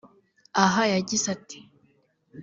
aha yagize ati